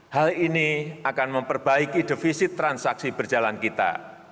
hal ini akan memperbaiki defisit transaksi berjalan kita